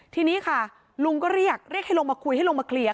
ทีนี้ค่ะลุงก็เรียกเรียกให้ลงมาคุยให้ลงมาเคลียร์